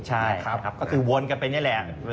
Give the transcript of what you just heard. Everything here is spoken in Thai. ใช่ก็คือวนกันไปนี่แหละ